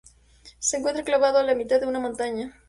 Se encuentra enclavado a la mitad de una montaña.